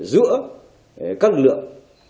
giữa các lực lượng